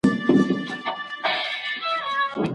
ولي د بشري مرستو رسول اړین دي؟